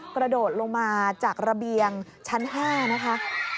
กระโดดลงมาจากระเบียงชั้น๕นะคะ